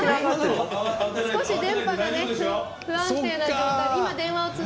少し電波が不安定な状態で。